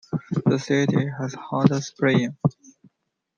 The city has hot springs.